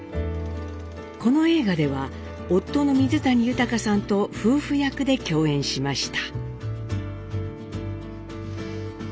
この映画では夫の水谷豊さんと夫婦役で共演しました。